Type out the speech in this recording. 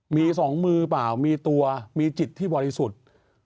มีสองมือเปล่ามีตัวมีจิตที่บริสุทธิ์